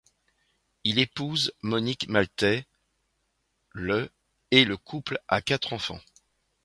Il épouse Monique Maltais le et le couple a quatre enfants.